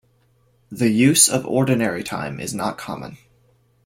The use of Ordinary Time is not common.